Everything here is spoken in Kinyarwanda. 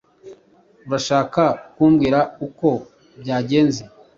Urashaka kumbwira uko byagenze?